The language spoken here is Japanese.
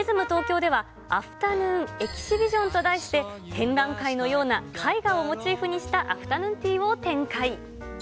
東京では、アフタヌーンエキシビジョンと題して、展覧会のような絵画をモチーフにしたアフタヌーンティーを展開。